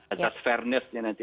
asas fairnessnya nanti